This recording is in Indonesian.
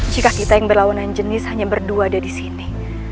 jika kita yang berlawanan jenis hanya berdua ada disini